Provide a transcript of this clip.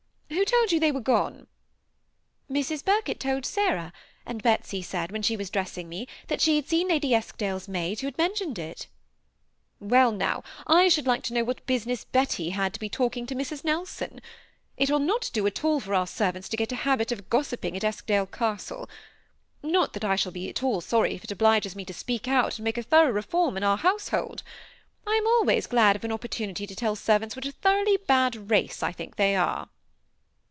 Who told you they were gone ?"'^ Mrs. Birkett told Sarah, and Betsy said, when she was dressing me, that she had seen Lady Eskdale's maid, who bad mentioned it." 64 THE SEMI ATTACHED COUPLE. ^Well, now, I should like to know what business Betsy had to be talking to Mrs. Nelson. It will not at all do for onr servants to get a habit of gossiping at Eskdale Castle ; not that I shall be at all sony if it obliges me to speak out and to make a thorough reform in our household : I am always glad of an opportunity to tell servants what a thoroughly bad race I think they are."